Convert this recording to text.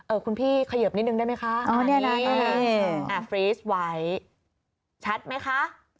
เออคุณพี่ขยับนิดนึงได้ไหมคะอันนี้อ่าฟรีสไวท์ชัดไหมคะ